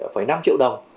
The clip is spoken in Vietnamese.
phải năm triệu đồng